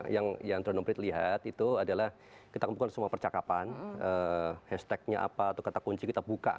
yang drone emprit lihat itu adalah kita temukan semua percakapan hashtagnya apa atau kata kunci kita buka